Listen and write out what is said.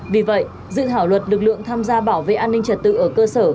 vì vậy dự thảo luật lực lượng tham gia bảo vệ an ninh trật tự ở cơ sở